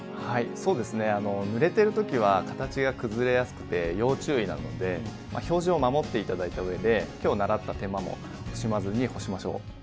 はいそうですねぬれてる時は形が崩れやすくて要注意なので表示を守って頂いた上で今日習った手間も惜しまずに干しましょう。